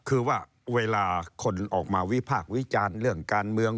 คือว่าเวลาคนออกมาวิพากษ์วิจารณ์เรื่องการเมือง